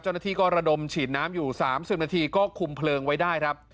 เจ้าหน้าที่ก็ระดมฉีดน้ำอยู่๓๐นาทีก็คุมเพลิงไว้ได้ครับ